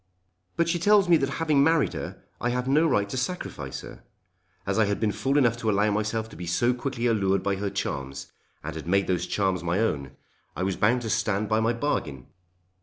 "But she tells me that having married her I have no right to sacrifice her. As I had been fool enough to allow myself to be so quickly allured by her charms, and had made those charms my own, I was bound to stand by my bargain!